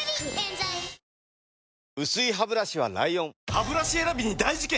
薄いハブラシは ＬＩＯＮハブラシ選びに大事件！